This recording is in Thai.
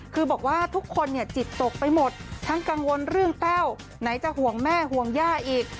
คือบอกว่าทุกคนเนี่ยจิตตกไปหมดทั้งกังวลเรื่องแต้วไหนจะห่วงแม่ห่วงย่าอีก